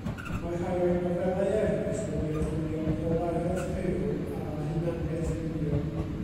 Mae rhai o'i nofelau eraill wedi archwilio polaredd rhyw a hunaniaeth rywiol.